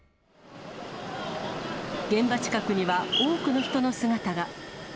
現場近くには、多くの人の姿が。